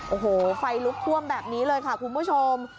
โอ้โหไฟลุกท่วมแบบนี้เลยค่ะคุณผู้ชม